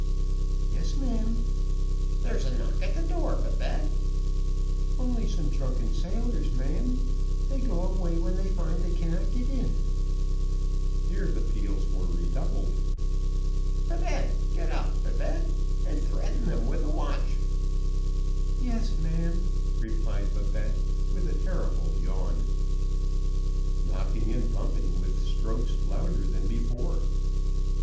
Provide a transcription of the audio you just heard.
"Yes, ma'am." "There's a knock at the door, Babette." "Only some drunken sailors, ma'am they go away when they find they cannot get in." Here the peals were redoubled. "Babette, get up, Babette and threaten them with the watch." "Yes, ma'am," replied Babette, with a terrible yawn. Knocking and thumping with strokes louder than before.